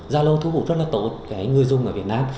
zalo thu hút rất là tốt cái người dùng ở việt nam